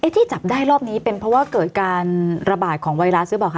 ที่จับได้รอบนี้เป็นเพราะว่าเกิดการระบาดของไวรัสหรือเปล่าคะ